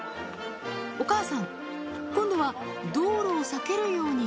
お母さん、今度は道路を避けるように。